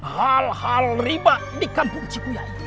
hal hal riba di kampung cikuya ini